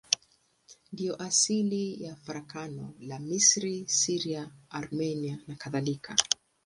Ndiyo asili ya farakano la Misri, Syria, Armenia nakadhalika.